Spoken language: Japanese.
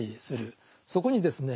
そこにですね